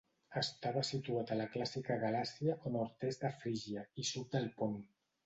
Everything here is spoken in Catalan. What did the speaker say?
Estava situat a la clàssica Galàcia o nord-est de Frígia, i sud del Pont.